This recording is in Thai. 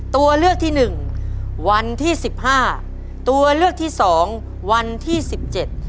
ตัวเลือกที่หนึ่งวันที่สิบห้าตัวเลือกที่สองวันที่สิบเจ็ด